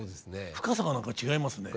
深さが何か違いますね。